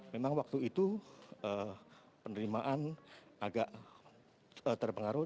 memang waktu itu penerimaan agak terpengaruh